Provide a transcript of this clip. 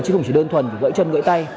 chứ không chỉ đơn thuần gãy chân gãy tay